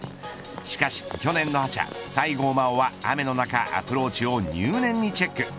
しかし去年の覇者、西郷真央は雨の中アプローチを入念にチェック。